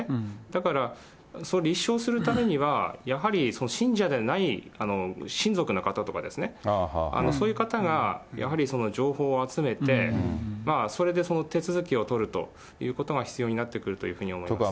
だからそれを立証するためには、やはり信者でない親族の方とかですね、そういう方がやはり情報を集めて、それで手続きを取るということが必要になってくるというふうに思います。